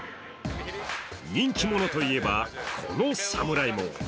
人気者といえば、この侍も。